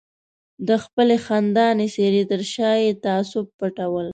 د خپلې خندانې څېرې تر شا یې تعصب پټول.